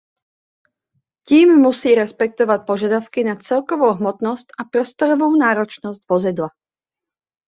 Tím musí respektovat požadavky na celkovou hmotnost a prostorovou náročnost vozidla.